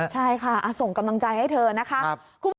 ใช่ค่ะส่งกำลังใจให้เธอนะคะ